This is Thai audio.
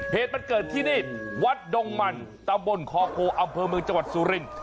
เหตุมันเกิดที่นี่วัดดงมันตำบลคอโคอำเภอเมืองจังหวัดสุรินทร์